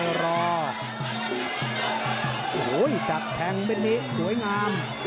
องค์ดับแข่งเบนนี้สวยงาม